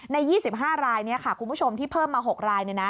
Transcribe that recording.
ใน๒๕รายคุณผู้ชมที่เพิ่มมา๖ราย